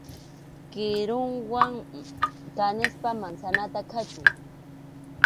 Kiruwan kanispa mansanata khachuy.